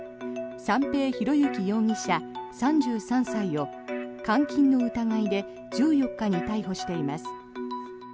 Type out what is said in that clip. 三瓶博幸容疑者、３３歳を監禁の疑いで１４日に逮捕しています。